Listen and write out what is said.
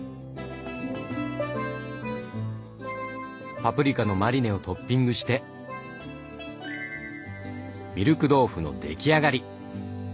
パプリカのマリネをトッピングしてミルク豆腐の出来上がり。